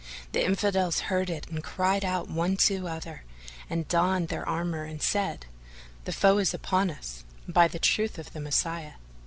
The Infidels heard it and cried out one to other and donned their armour and said, "The foe is upon us, by the truth of the Messiah!"